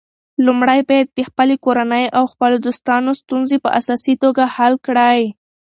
لومړی باید د خپلې کورنۍ او خپلو دوستانو ستونزې په اساسي توګه حل کړې.